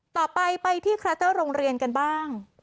ต่อไปไปที่คลัสเตอร์โรงเรียนกันบ้าง